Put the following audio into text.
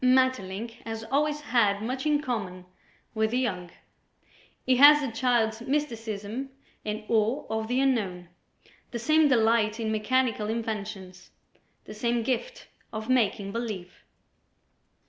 Maeterlinck has always had much in common with the young. He has the child's mysticism and awe of the unknown, the same delight in mechanical inventions, the same gift of "making believe."